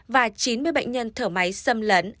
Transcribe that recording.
và chín mươi bệnh nhân thở máy xâm lấn